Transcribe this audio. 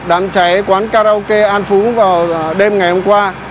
đám cháy quán karaoke an phú vào đêm ngày hôm qua